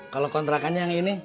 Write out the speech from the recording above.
kalo kontrakannya yang ini